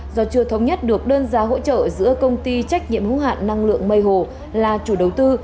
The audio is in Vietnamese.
do chưa thống nhất được đơn giá hỗ trợ giữa công ty trách nhiệm hữu hạn năng lượng mây hồ là chủ đầu tư